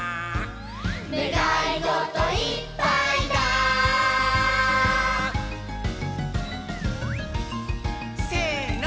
「ねがいごといっぱいだ」せの！